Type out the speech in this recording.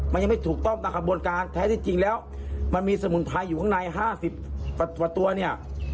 มันยังไม่ถูกต้องตามกระบวนการแท้ที่จริงแล้วมันมีสมุนไพรอยู่ข้างใน๕๐กว่าตัวเนี่ย